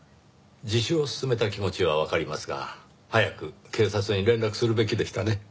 自首を勧めた気持ちはわかりますが早く警察に連絡するべきでしたね。